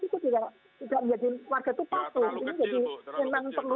itu tidak menjadi warga itu pasu